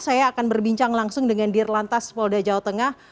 saya akan berbincang langsung dengan dirlantas polda jawa tengah